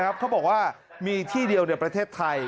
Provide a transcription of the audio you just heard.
เขาบอกว่ามีที่เดียวในประเทศไทย